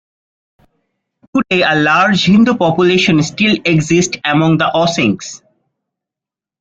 Today, a large Hindu population still exists among the Osings.